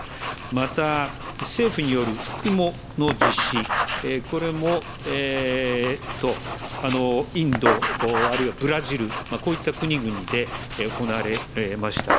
また、政府による服喪の実施、これもインドあるいはブラジル、こういった国々で行われました。